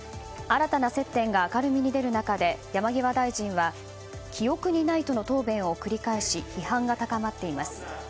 新たな接点が明るみになる中で山際大臣は記憶にないとの答弁を繰り返し批判が高まっています。